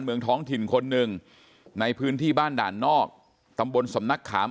เมืองท้องถิ่นคนหนึ่งในพื้นที่บ้านด่านนอกตำบลสำนักขาม